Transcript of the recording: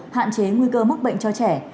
hạn chế nguy cơ mắc bệnh cho trẻ